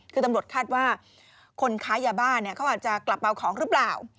คือตำรวจคาดว่าคนค้ายาบ้าเขาอาจจะกลับมาเอาของหรือเปล่า